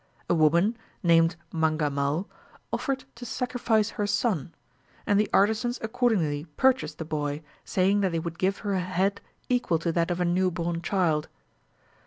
A woman, named Mangammal, offered to sacrifice her son, and the artisans accordingly purchased the boy, saying that they would give her a head equal to that of a new born child.